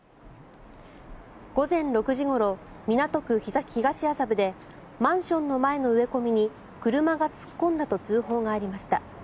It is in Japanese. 午前６時ごろ、港区東麻布でマンションの前の植え込みに車が突っ込んだと通報がありました。